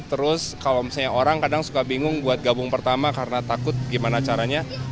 terus kalau misalnya orang kadang suka bingung buat gabung pertama karena takut gimana caranya